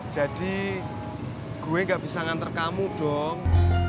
jadi gue gak bisa nganter kamu dong